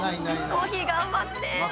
コーヒー頑張って！